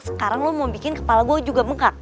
sekarang lo mau bikin kepala gue juga mengkak